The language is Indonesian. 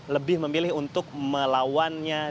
lebih memilih untuk melawannya